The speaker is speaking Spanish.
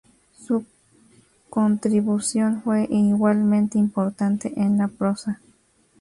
Su contribución fue igualmente importante en la prosa.